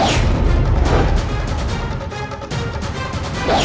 aku akan menangkapmu